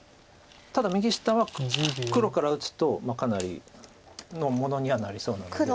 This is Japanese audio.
ただ右下は黒から打つとかなりのものにはなりそうなので。